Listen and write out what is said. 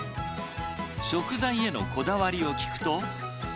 食材へのこだわりを聞くと。